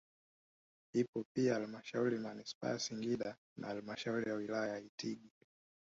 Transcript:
ipo pia Hlmashauri ya Manispaa ya Singida na halmashauri ya wilaya ya Itigi